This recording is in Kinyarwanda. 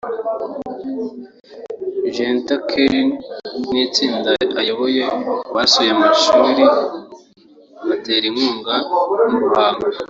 Gunter Kern n’itsinda ayoboye basuye amashuri batera inkunga mu Ruhango